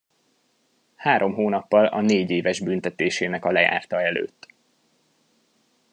Három hónappal a négy éves büntetésének a lejárta előtt.